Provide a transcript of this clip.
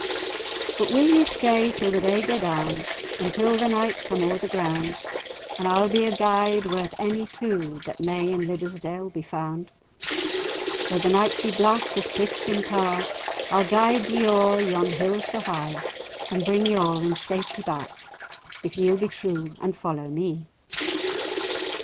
"But will ye stay till the day gae down, Until the night come o'er the ground, And I'll be a guide worth any two That may in Liddesdale be found? Though the night be black as pitch and tar, I'll guide ye o'er yon hill so high; And bring ye all in safety back, If ye'll be true and follow me."